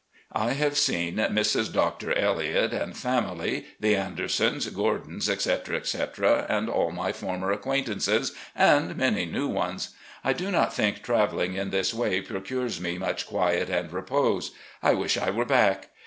I have seen Mrs. Doctor Elhot and family, the Andersons, Gk)rdons, etc., etc., and all my former acquaintances and many new ones. I do not think travelling in this way procures me much quiet and repose. I wish I were back.